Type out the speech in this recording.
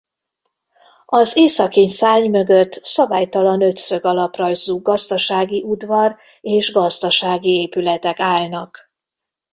Az északi szárny mögött szabálytalan ötszög alaprajzú gazdasági udvar és gazdasági épületek állnak.